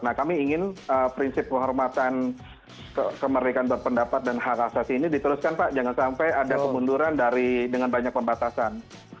nah kami ingin prinsip penghormatan kemerdekaan berpendapat dan hak asasi ini diteruskan pak jangan sampai ada kemunduran dengan banyak pembatasan